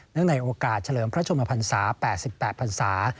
เนื่องในโอกาสเฉลิมพระชมพันธ์ศาสตร์แปดสิบแปดพันธ์ศาสตร์